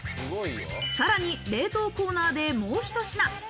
さらに冷凍コーナーでもうひと品。